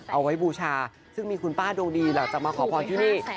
บูชาซึ่งมีคุณป้าดวงดีหลังจากมาขอพรที่นี่